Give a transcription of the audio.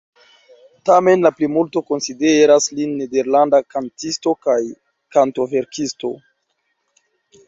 Tamen la plimulto konsideras lin nederlanda kantisto kaj kantoverkisto.